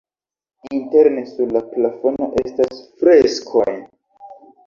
Interne sur la plafono estas freskoj.